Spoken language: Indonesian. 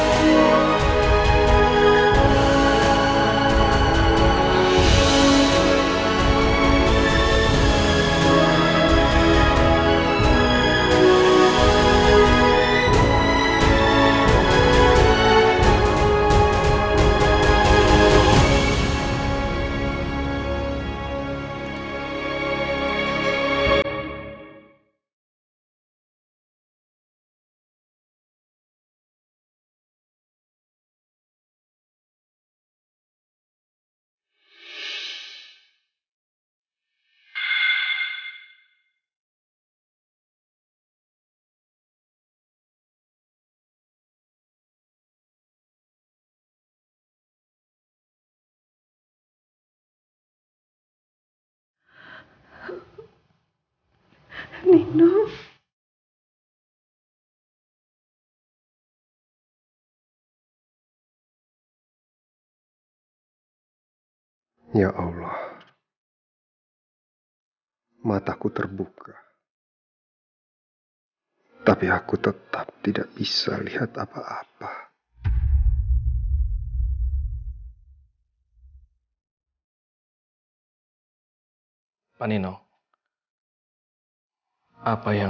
sekarang kita buka perban matanya